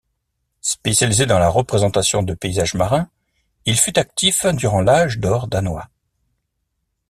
Spécialisé dans la représentation de paysages marins, il fut actif durant l'Âge d'or danois.